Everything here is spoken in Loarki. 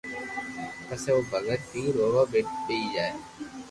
پسي او بگت بي رووا ٻيئي جائي